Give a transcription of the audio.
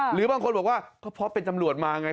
หรือบางคนบอกว่าก็เพราะเป็นตำรวจมาไง